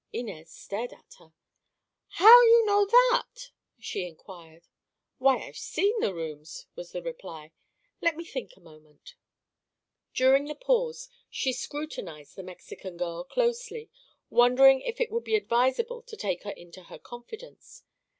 Inez stared at her. "How you know that?" she inquired. "Why, I've seen the rooms," was the reply. "Let me think a moment." During the pause she scrutinized the Mexican girl closely, wondering if it would be advisable to take her into her confidence.